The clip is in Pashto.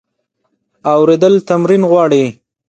اورېدل تمرین غواړي.